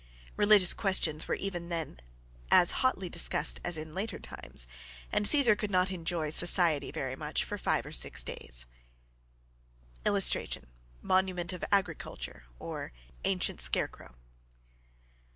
Religious questions were even then as hotly discussed as in later times, and Caesar could not enjoy society very much for five or six days. [Illustration: MONUMENT OF AGRICULTURE, OR ANCIENT SCARECROW.